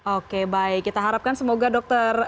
oke baik kita harapkan semoga dokter